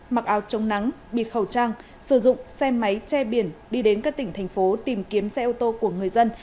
mặc áo chống nắng bịt khẩu trang sử dụng xe máy che biển đi đến các tỉnh thành phố tìm kiếm xe ô tô của người dân